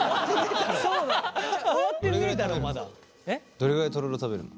どれぐらいとろろ食べるの？